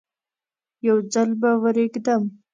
یو ځل به ورېږدم.